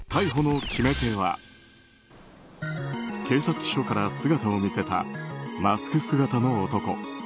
警察署から姿を見せたマスク姿の男。